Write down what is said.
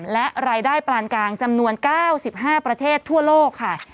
และรายได้ปานกลางจำนวน๙๕ประเทศทั่วโลกค่ะ